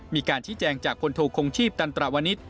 มีการชี้แจงจากพลโทคงชีพตันตราวนิษฐ